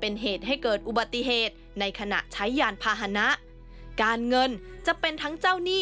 เป็นเหตุให้เกิดอุบัติเหตุในขณะใช้ยานพาหนะการเงินจะเป็นทั้งเจ้าหนี้